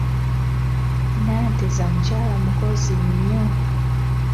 Nanteza mukyala mukozi nnyo.